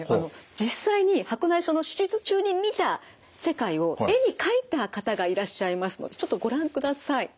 実際に白内障の手術中に見た世界を絵に描いた方がいらっしゃいますのでちょっとご覧ください。